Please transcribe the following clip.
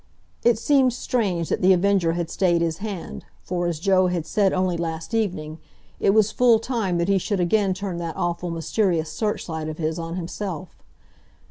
It seemed strange that The Avenger had stayed his hand, for, as Joe had said only last evening, it was full time that he should again turn that awful, mysterious searchlight of his on himself.